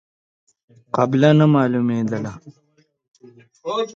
قبله نه مالومېدله.